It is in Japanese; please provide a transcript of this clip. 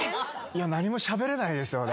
何もしゃべれないですよね。